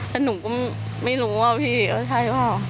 แต่หนูก็ไม่รู้ว่าพี่ว่าใช่หรือเปล่า